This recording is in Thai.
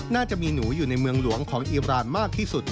น่าจะมีหนูอยู่ในเมืองหลวงของอีรานมากที่สุด